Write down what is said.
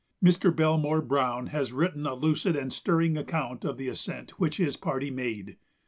Mr. Belmore Browne has written a lucid and stirring account of the ascent which his party made.